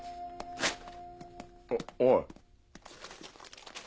おっおい。